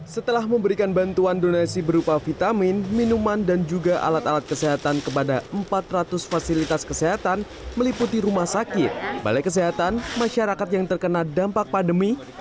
setelah memberikan bantuan donasi berupa vitamin minuman dan juga alat alat kesehatan kepada empat ratus fasilitas kesehatan meliputi rumah sakit balai kesehatan masyarakat yang terkena dampak pandemi